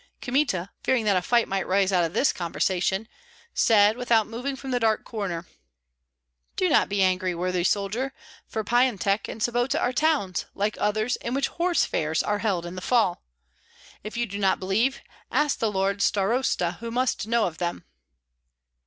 Kmita, fearing that a fight might rise out of this conversation, said, without moving from the dark corner, "Be not angry, worthy soldier, for Pyantek and Sobota are towns, like others, in which horse fairs are held in the fall. If you do not believe, ask the lord starosta, who must know of them."